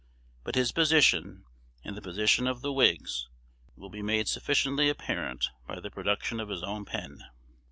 But his position, and the position of the Whigs, will be made sufficiently apparent by the productions of his own pen.